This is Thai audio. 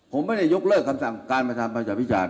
ผมไม่ได้ยกเลิกคำสั่งการมาทำประชาพิจารณ